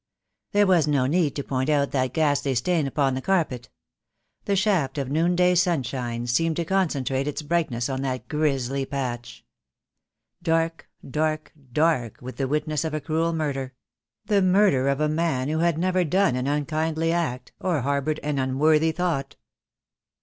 There was no need to point out that ghastly stain upon the carpet. The shaft of noonday sunshine seemed to concentrate its brightness on that grisly patch. Dark, dark, dark with the witness of a cruel murder — the murder of a man who had never done an unkindly act, or har boured an unworthy thought.